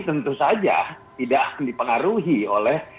tentu saja tidak dipengaruhi oleh